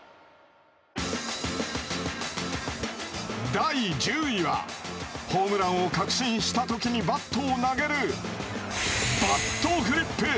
第１０位はホームランを確信した時にバットを投げるバットフリップ。